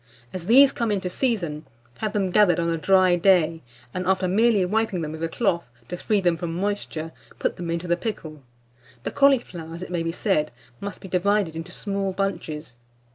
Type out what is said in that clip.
As these come into season, have them gathered on a dry day, and, after merely wiping them with a cloth, to free them from moisture, put them into the pickle. The cauliflowers, it may be said, must be divided into small bunches.